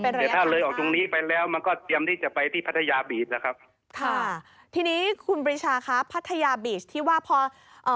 แต่ถ้าเลยออกตรงนี้ไปแล้วมันก็เตรียมที่จะไปที่พัทยาบีดนะครับค่ะทีนี้คุณปริชาครับพัทยาบีชที่ว่าพอเอ่อ